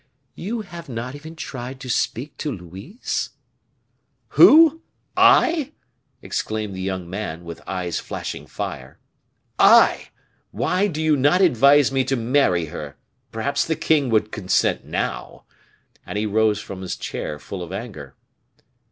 "You have not even tried to speak to Louise?" "Who! I?" exclaimed the young man, with eyes flashing fire; "I! Why do you not advise me to marry her? Perhaps the king would consent now." And he rose from his chair full of anger.